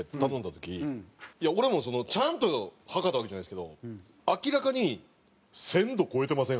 いや俺もちゃんと測ったわけじゃないですけど明らかに１０００度超えてません？